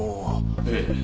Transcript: ええ。